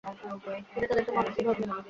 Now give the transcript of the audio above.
তিনি তাদেরকে মানুষই ভাবলেন।